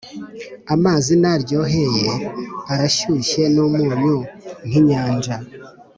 amazi naryoheye arashyushye numunyu, nkinyanja,